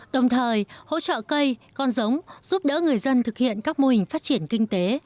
đồng thời hỗ trợ cây con giống giúp đỡ người dân thực hiện các mô hình phát triển kinh tế